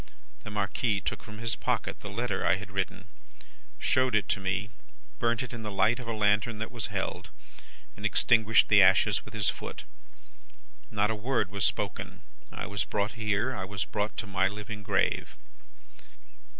The Marquis took from his pocket the letter I had written, showed it me, burnt it in the light of a lantern that was held, and extinguished the ashes with his foot. Not a word was spoken. I was brought here, I was brought to my living grave.